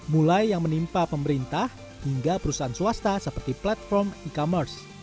mulai yang menimpa pemerintah hingga perusahaan swasta seperti platform e commerce